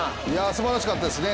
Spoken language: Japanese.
すばらしかったですね。